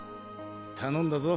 頼んだぞ。